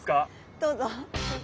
どうぞ。